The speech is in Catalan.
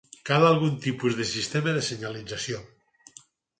Cal algun tipus de sistema de senyalització.